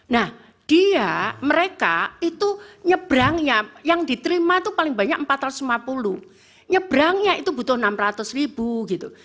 nah dia mereka itu nyebrangnya yang diterima itu paling banyak empat ratus lima puluh nyebrangnya itu butuh enam ratus ribu gitu